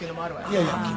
いやいや。